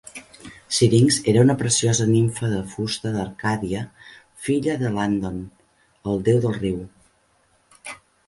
Syrinx era una preciosa nimfa de fusta d'Arcàdia, filla de Landon, el déu del riu.